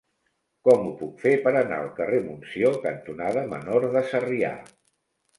Com ho puc fer per anar al carrer Montsió cantonada Menor de Sarrià?